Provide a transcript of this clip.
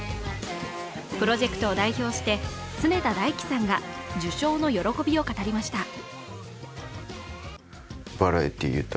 プロジェクトを代表して、常田大希さんが受賞の喜びを語りました。